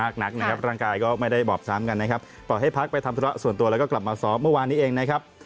ก็ปล่อยให้ก็มาซอมเมื่อวานนี้เองนะครับ